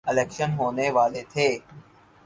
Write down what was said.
election ہونے والے تھے